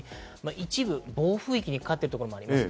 一部暴風域にかかっているところもあります。